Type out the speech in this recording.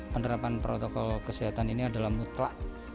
penerapan protokol kesehatan ini adalah mutlak